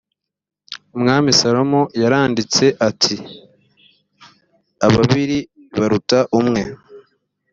umwami salomo yaranditse ati ababiri baruta umwe